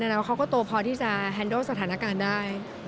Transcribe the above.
แล้วเขาก็โตพอที่จะแฮนโดสถานการณ์ได้